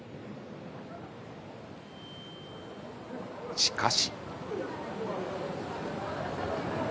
しかし。